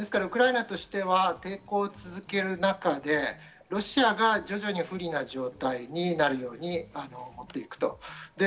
ウクライナとしては抵抗を続ける中でロシアが徐々に不利な状況になるようにもっていくと。